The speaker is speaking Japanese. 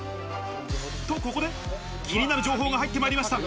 と、ここで、気になる情報が入って参りました。